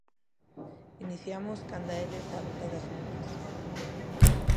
Iniciamos canda eles a ruta das minas.